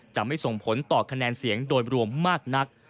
จะไม่ส่งผลต่อคะแนนเสียงโดยรวมมากนัก